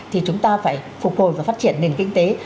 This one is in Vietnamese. thì chúng ta phải phục hồi và phát triển nền kinh tế